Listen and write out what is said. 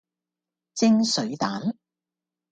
蒸水蛋